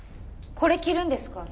これ着るんですか？